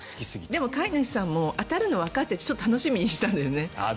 でも飼い主さんも当たるのわかってちょっと楽しみにしてたんだよね。